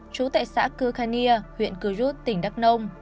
trú tại xã cứu khanh nia huyện cứu rút tỉnh đắk nông